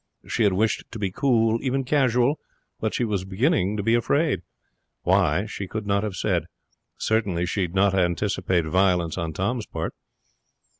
She had wished to be cool, even casual, but she was beginning to be afraid. Why, she could not have said. Certainly she did not anticipate violence on Tom's part.